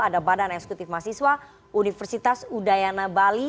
ada badan eksekutif mahasiswa universitas udayana bali